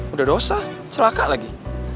udah dosa celaka lagi